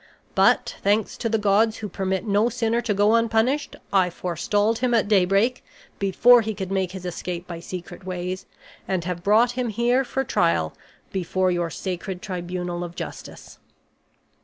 But, thanks to the gods who permit no sinner to go unpunished, I forestalled him at daybreak, before he could make his escape by secret ways, and have brought him here for trial before your sacred tribunal of justice.